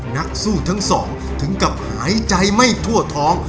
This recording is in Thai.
นักสู้ทั้งสองถึงกับหายใจไม่ทั่วท้อง